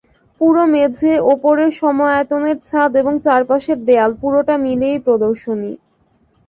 পুরো মেঝে, ওপরের সম-আয়তনের ছাদ এবং চারপাশের দেয়াল পুরোটা মিলিয়েই প্রদর্শনী।